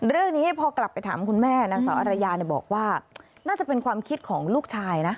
เรื่องนี้พอกลับไปถามคุณแม่นางสาวอรยาบอกว่าน่าจะเป็นความคิดของลูกชายนะ